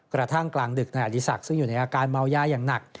กระทั่งกลางดึกนายอดีศักดิ์ซึ่งอยู่ในอาการเมายาอย่างหนัก